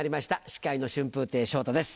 司会の春風亭昇太です